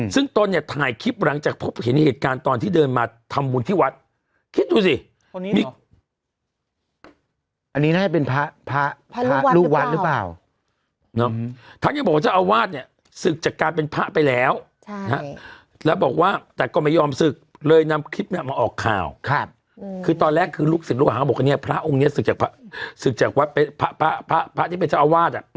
คือตอนแรกคือลูกศึกลูกหางเขาบอกว่าพระองค์นี้ศึกจากพระที่เป็นเจ้าอาวาส